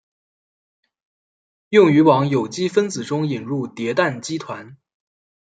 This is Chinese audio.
用于往有机分子中引入叠氮基团。